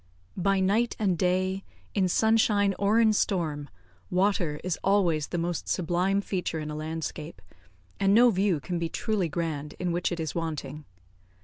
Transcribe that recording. By night and day, in sunshine or in storm, water is always the most sublime feature in a landscape, and no view can be truly grand in which it is wanting.